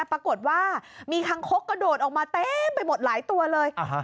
ปรากฏว่ามีคังคกกระโดดออกมาเต็มไปหมดหลายตัวเลย